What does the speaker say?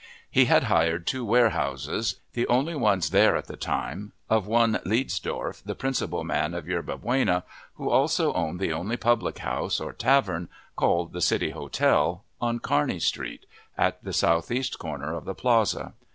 He had hired two warehouses, the only ones there at the time, of one Liedsdorff, the principal man of Yerba Buena, who also owned the only public house, or tavern, called the City Hotel, on Kearney Street, at the southeast corner of the Plaza.